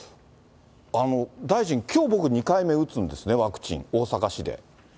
大臣、きょう僕２回目打つんですね、ワクチン、大阪市で。